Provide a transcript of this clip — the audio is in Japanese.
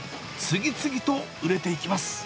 次々と売れていきます。